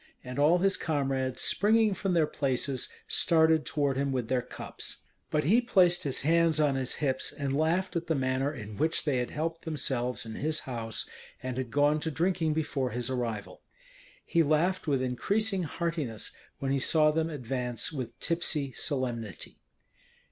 and all his comrades, springing from their places, started toward him with their cups. But he placed his hands on his hips, and laughed at the manner in which they had helped themselves in his house, and had gone to drinking before his arrival. He laughed with increasing heartiness when he saw them advance with tipsy solemnity.